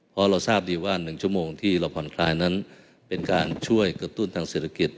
เพราะเราทราบดีว่า๑ชั่วโมงที่เราผ่อนคลายนั้นเป็นการช่วยกระตุ้นทางเศรษฐกิจ